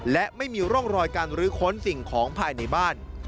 และไม่มีร่องรอยการรื้อค้นสิ่งของภายในบ้าน